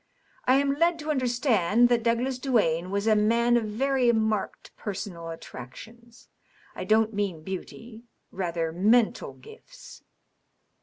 "I am led to understand that Douglas Duane was a man of very marked personal attractions. I don't mean beauty — rather, mental gifts."